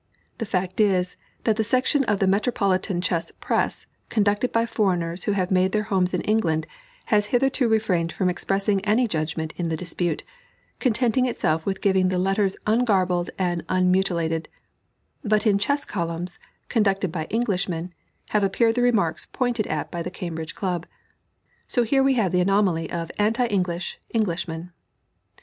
The fact is, that the section of the metropolitan chess press, conducted by foreigners who have made their homes in England, has hitherto refrained from expressing any judgment in the dispute, contenting itself with giving the letters ungarbled and unmutilated; but in chess columns, conducted by Englishmen, have appeared the remarks pointed at by the Cambridge Club; so here we have the anomaly of anti English Englishmen.